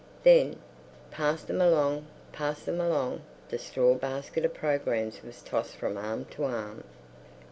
Then, "Pass them along, pass them along!" The straw basket of programmes was tossed from arm to arm.